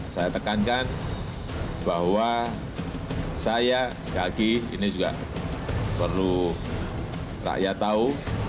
saya tekankan bahwa saya sekali lagi ini juga perlu rakyat tahu